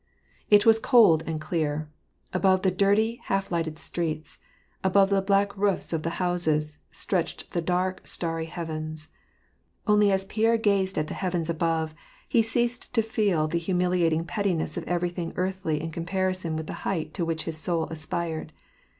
It was cold and clear. Above the dirty, half lighted streets, above the black roofs of the houses, stretched the dark, starry heavens. Only as Pierre gazed at the heavens above, he ceased to feel the humiliating pettiness of everything earthly in com parison with the height to which his soul aspired.